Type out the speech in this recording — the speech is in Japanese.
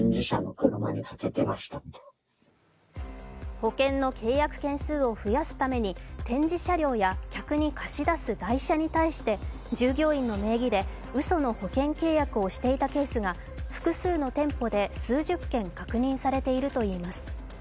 保険の契約件数を増やすために、展示車両や客に貸し出す代車に対して従業員の名義で、うその保険契約をしていたケースが複数の店舗で数十件確認されているといいます。